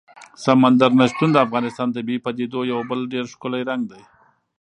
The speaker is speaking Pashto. سمندر نه شتون د افغانستان د طبیعي پدیدو یو بل ډېر ښکلی رنګ دی.